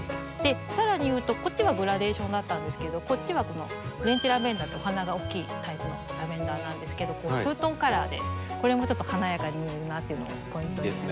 さらに言うとこっちはグラデーションだったんですけどこっちはこのフレンチラベンダーってお花が大きいタイプのラベンダーなんですけどツートンカラーでこれもちょっと華やかに見えるなっていうのもポイントになります。